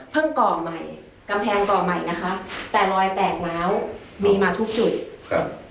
ก่อใหม่กำแพงก่อใหม่นะคะแต่รอยแตกแล้วมีมาทุกจุดครับ